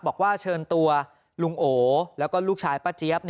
บอกว่าเชิญตัวลุงโอแล้วก็ลูกชายป้าเจี๊ยบ